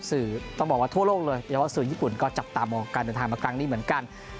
สื่อต้องบอกว่าทั่วโลกเลยเฉพาะสื่อญี่ปุ่นก็จับตามองการเดินทางมาครั้งนี้เหมือนกัน